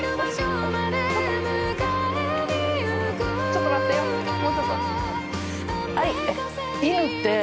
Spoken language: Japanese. ちょっと待ってよ。